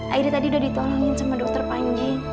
akhirnya tadi udah ditolongin sama dokter panji